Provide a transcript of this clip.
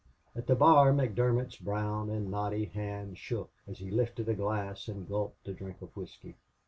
At the bar McDermott's brown and knotty hand shook as he lifted a glass and gulped a drink of whisky.